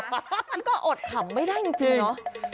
มันก็อดขำไม่ได้จริงเนาะ